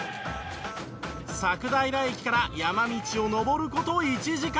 佐久平駅から山道を上る事１時間。